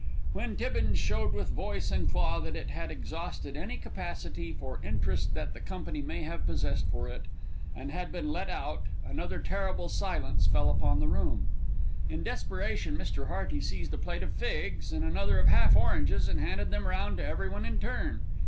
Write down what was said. When Tibbins showed with voice and claw that it had exhausted any capacity for interest that the company may have possessed for it, and had been let out, another terrible silence fell upon the room. In desperation Mr. Hearty seized a plate of figs and another of half oranges and handed them round to everyone in turn.